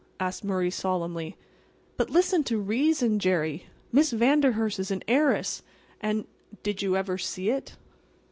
asked Murray, solemnly. "But, listen to reason, Jerry. Miss Vanderhurst is an heiress, and"— "Did you ever see it?"